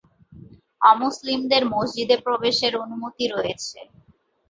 অমুসলিমদের মসজিদে প্রবেশের অনুমতি রয়েছে।